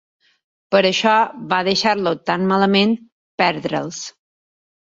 Per això va deixar-lo tan malament perdre'ls.